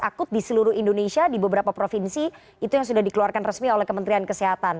akut di seluruh indonesia di beberapa provinsi itu yang sudah dikeluarkan resmi oleh kementerian kesehatan